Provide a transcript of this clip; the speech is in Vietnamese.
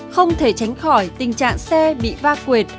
không thể tránh khỏi tình trạng xe bị va quệt